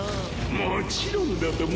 もちろんだとも。